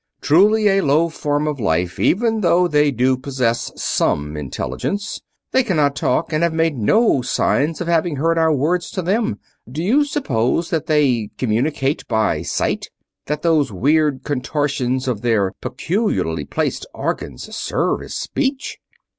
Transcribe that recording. Truly a low form of life, even though they do possess some intelligence. They cannot talk, and have made no signs of having heard our words to them do you suppose that they communicate by sight? That those weird contortions of their peculiarly placed organs serve as speech?"